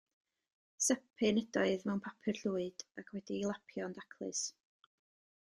Sypyn ydoedd mewn papur llwyd, ac wedi ei lapio yn daclus.